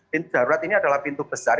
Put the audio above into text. pintu darurat ini adalah pintu besar